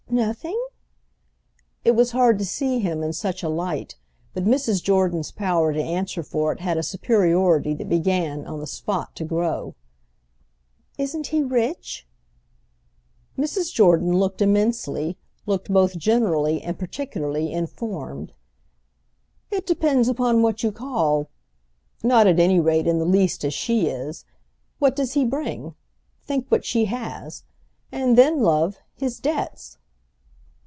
"Nothing?" It was hard to see him in such a light, but Mrs. Jordan's power to answer for it had a superiority that began, on the spot, to grow. "Isn't he rich?" Mrs. Jordan looked immensely, looked both generally and particularly, informed. "It depends upon what you call—! Not at any rate in the least as she is. What does he bring? Think what she has. And then, love, his debts."